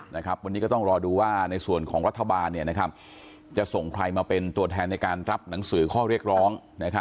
วันนี้ก็ต้องรอดูว่าในส่วนของรัฐบาลจะส่งใครมาเป็นตัวแทนในการรับหนังสือข้อเรียกร้อง